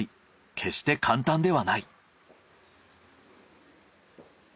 決して簡単ではない。